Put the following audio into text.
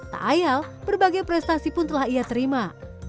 tak ayal berbagai prestasi pun telah ia terima